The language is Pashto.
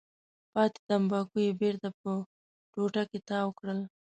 پاتې تنباکو یې بېرته په ټوټه کې تاو کړل.